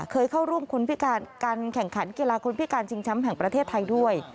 เคยเข้าร่วมกันแข่งขันกีฬาคุณพิการจิงช้ำแห่งประเทศไทยด้วย